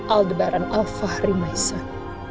aldebaran al fahri maisan